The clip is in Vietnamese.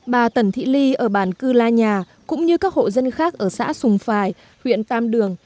bà tần thị ly ở bản cư la nhà cũng như các hộ dân khác ở xã sùng phài huyện tam đường